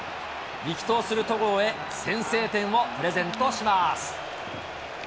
力投する戸郷へ、先制点をプレゼントします。